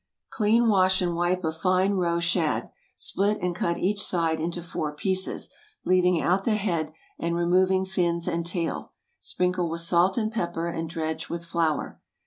Clean, wash, and wipe a fine roe shad; split and cut each side into four pieces, leaving out the head, and removing fins and tail. Sprinkle with salt and pepper, and dredge with flour.